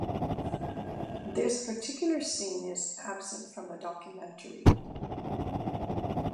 This particular scene is absent from the documentary.